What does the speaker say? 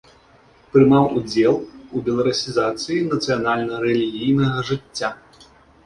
Прымаў удзел у беларусізацыі нацыянальна-рэлігійнага жыцця.